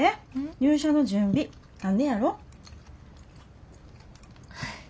入社の準備あんねやろ？